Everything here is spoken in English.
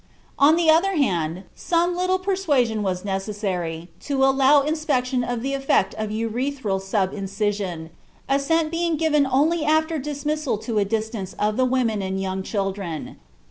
On the other hand, some little persuasion was necessary to allow inspection of the effect of [urethral] sub incision, assent being given only after dismissal to a distance of the women and young children.